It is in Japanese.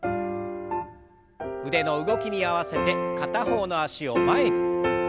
腕の動きに合わせて片方の脚を前に。